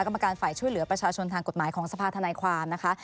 กรรมการฝ่ายช่วยเหลือประชาชนทางกฎหมายของสภาธนายความนะคะ